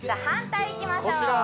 反対いきましょう